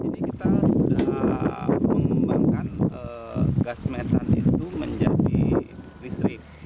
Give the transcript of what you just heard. ini kita sudah mengembangkan gas metan itu menjadi listrik